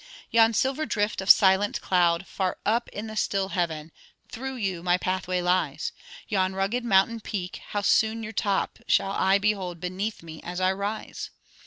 'Yon silver drift of silent cloud, far up In the still heaven through you my pathway lies: Yon rugged mountain peak how soon your top Shall I behold beneath me, as I rise!